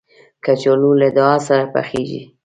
کچالو له دعا سره پخېږي